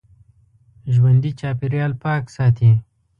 ژوندي چاپېریال پاک ساتي